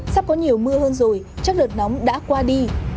sắp có nhiều mưa hơn rồi chắc đợt nóng đã qua đi